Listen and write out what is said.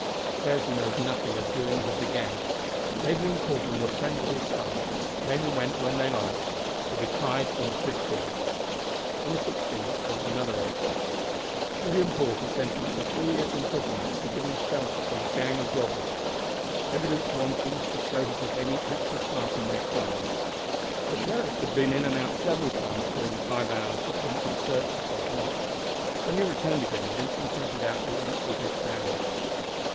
Declares he knows nothing about doings of the gang. Haverley and Corben were friends of his sons. Came and went when they liked. Will be tried on the 15th." On the 16th there was another entry: "William Porter sentenced to three years' imprisonment for giving shelter to gang of robbers. Evidence wanting to show he took any actual part in their crimes." The sheriff had been in and out several times during the five hours that Vincent's search had taken up. When he returned again Vincent pointed out the entry he had found.